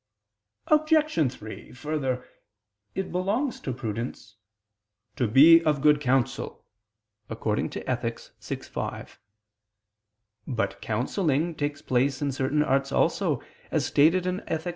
Obj. 3: Further, it belongs to prudence, "to be of good counsel" (Ethic. vi, 5). But counselling takes place in certain arts also, as stated in _Ethic.